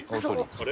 あれ？